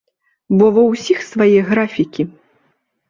Бо ва ўсіх свае графікі.